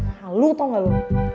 hal lu tau gak lu